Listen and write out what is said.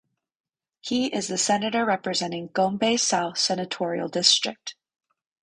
He is the Senator Representing Gombe South Senatorial District.